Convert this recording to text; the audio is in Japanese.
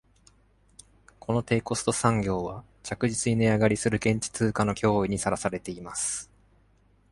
この低コスト産業は、着実に値上がりする現地通貨の脅威にさらされています。